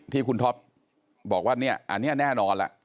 ที่คุณท็อปบอกว่าเนี่ยอันนี้แน่นอนล่ะ